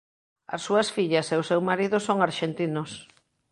As súas fillas e o seu marido son arxentinos.